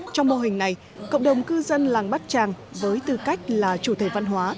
trong mô hình này cộng đồng cư dân làng bát tràng với tư cách là chủ thể văn hóa